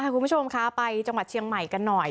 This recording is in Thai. คุณผู้ชมคะไปจังหวัดเชียงใหม่กันหน่อย